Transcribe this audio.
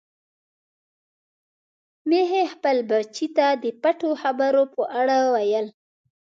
ميښې خپل بچي ته د پټو خبرو په اړه ویل.